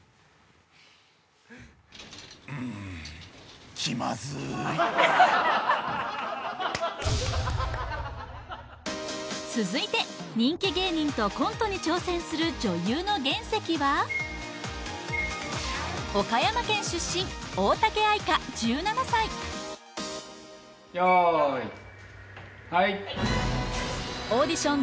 うん気まずい続いて人気芸人とコントに挑戦する女優の原石は岡山県出身用意はいオーディション